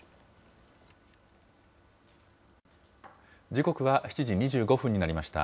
時刻は７時２５分になりました。